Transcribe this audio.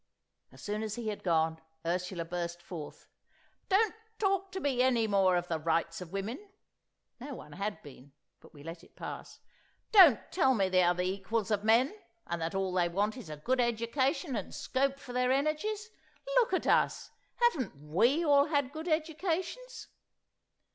As soon as he had gone, Ursula burst forth, "Don't talk to me any more of the rights of women"—no one had been, but we let it pass—"don't tell me they are the equals of men, and that all they want is a good education and scope for their energies. Look at us, haven't we all had good educations?"